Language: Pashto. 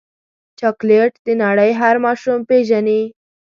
چاکلېټ د نړۍ هر ماشوم پیژني.